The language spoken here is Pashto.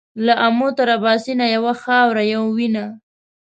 له آمو تر اباسینه یوه خاوره یو وینه